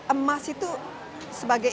emas itu sebagai